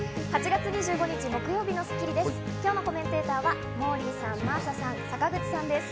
８月２５日、木曜日の『スッキリ』です。